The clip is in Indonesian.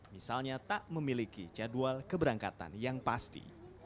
misalnya tak memiliki jadwal keberangkatan yang pasti